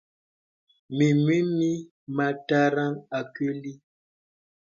Mimù mì məìtæràŋ a kùli.